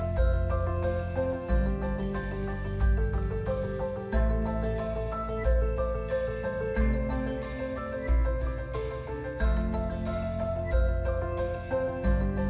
มันก็ไม่มีนะครับ